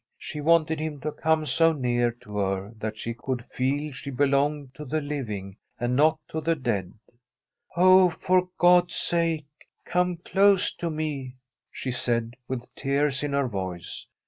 She wanted him to come so near to her that she could feel she be longed to the living and not to the dead. * Oh, for God's sake, come close to me !' she said, with tears in her voice.